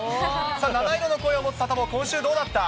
七色の声を持つサタボー、今週、どうだった？